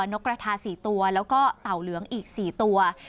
นกกระทา๔ตัวแล้วก็เต่าเหลืองอีก๔ตัว